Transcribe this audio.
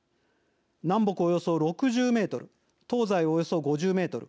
南北およそ６０メートル東西およそ５０メートル。